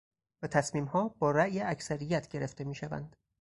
و تصمیمها با رأی اکثریت گرفته میشوند.